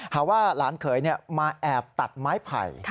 หาว่าหลานเขยมาแอบตัดไม้ไผ่